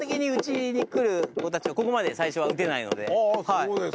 そうですか。